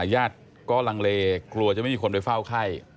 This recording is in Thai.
ญาติก็ลังเลกลัวจะไม่มีคนไปเฝ้าไข้